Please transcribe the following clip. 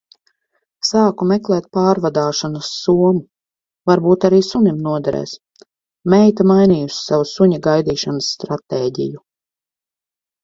Sāku meklēt pārvadāšanas somu. Varbūt arī sunim noderēs. Meita mainījusi savu suņa gaidīšanas stratēģiju.